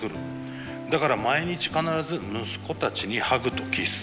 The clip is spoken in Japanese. だから毎日必ず息子たちにハグとキス。